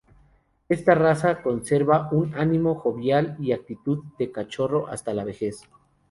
Esta raza conserva un ánimo jovial y actitud de cachorro hasta la vejez.